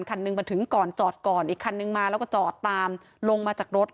คันหนึ่งมาถึงก่อนจอดก่อนอีกคันนึงมาแล้วก็จอดตามลงมาจากรถ